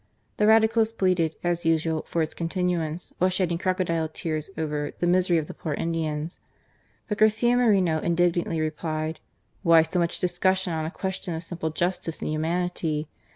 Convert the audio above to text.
The Radicals pleaded, as usual, for its continuance while shedding crocodile tears over "the misery of the poor Indians." But Garcia Moreno indignantly replied, "Why so much discussion on a question of simple justice and humanity?